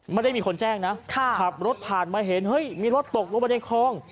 ไม่ได้มีคนแจ้งนะขับรถผ่านมาเห็นเฮ้ยมีรถตกลงไปในคลอง